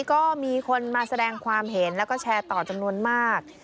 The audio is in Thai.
ก็มีคนมาแสดงความเห็นแล้วก็แชร์ต่อจำนวนมาก